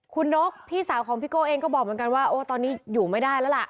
คุณนกพี่สาวของพี่โก้เองก็บอกเหมือนกันว่าโอ้ตอนนี้อยู่ไม่ได้แล้วล่ะ